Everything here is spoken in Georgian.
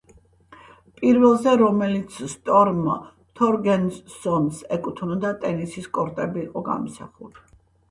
პირველზე, რომელიც სტორმ თორგერსონს ეკუთვნოდა ტენისის კორტები იყო გამოსახული.